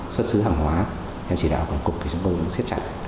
xuất xứ hàng hóa theo chỉ đạo của cục thì chúng tôi cũng siết chặt